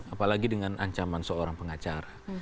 apalagi dengan ancaman seorang pengacara